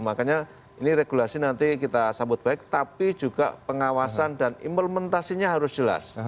makanya ini regulasi nanti kita sambut baik tapi juga pengawasan dan implementasinya harus jelas